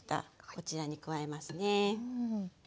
こちらに加えますね。